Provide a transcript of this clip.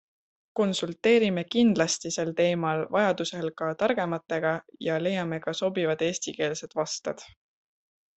Konsulteerime kindlasti sel teemal vajadusel ka targematega ja leiame ka sobivad eestikeelsed vasted.